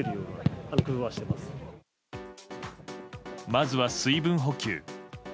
まずは、水分補給。